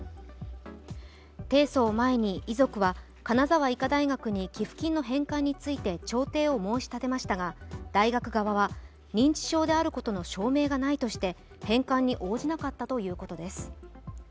提訴を前に遺族は金沢医科大学に寄付金の返還について調停を申し立てましたが、大学側は認知症であることの証明がないとして返還に応じなかったということです。